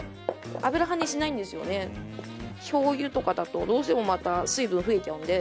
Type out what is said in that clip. しょう油とかだとどうしてもまた水分増えちゃうんで。